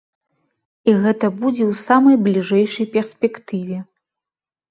І гэта будзе ў самай бліжэйшай перспектыве.